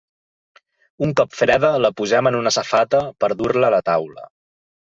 Un cop freda, la posem en una safata per dur-la a taula.